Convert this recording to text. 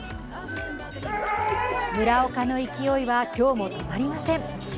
村岡の勢いは今日も止まりません。